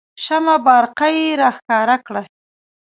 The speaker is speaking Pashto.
شمه بارقه یې راښکاره کړه.